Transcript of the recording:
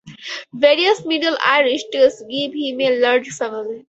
Various Middle Irish tales give him a large family.